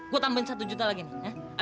gue tambahin satu juta lagi nih